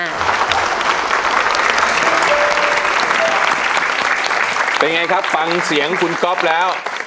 เป็นอย่างไรครับฟังเสียงคุณกอฟแล้ว